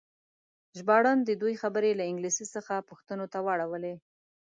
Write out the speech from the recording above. ژباړن د دوی خبرې له انګلیسي څخه پښتو ته واړولې.